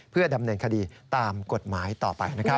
เพื่อดำเนินคดีตามกฎหมายต่อไปนะครับ